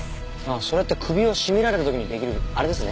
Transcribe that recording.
ああそれって首を絞められた時に出来るあれですね？